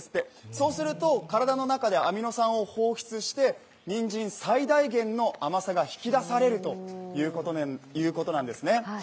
そうすると、体の中でアミノ酸を放出してにんじん最大限の甘さが引き出されるということなんですね。